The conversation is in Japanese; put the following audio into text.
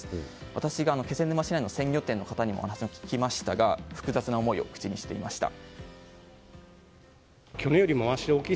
私が気仙沼市内の鮮魚店の方にもお話を聞きましたが複雑な思いを口にしていました。